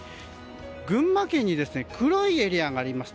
群馬県に黒いエリアがあります。